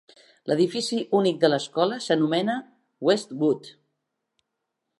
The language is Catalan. L'edifici únic de l'escola s'anomena Westwood.